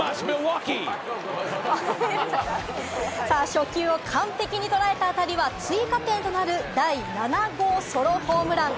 初球を完璧にとらえたあたりは、追加点となる第７号ソロホームラン。